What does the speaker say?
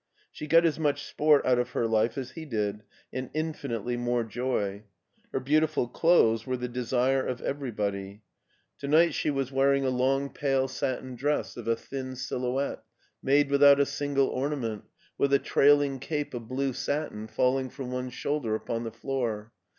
She got as much sport out of her life as he did, and infinitely more joy. Her beautiful clothes were the desire of everybody ; to night she was wear 174 MARTIN SCHULER ing a long pale satin dress of a thin silhouette, made without a single ornament, with a trailing cape of blue satin falling from one shoulder upon the floor.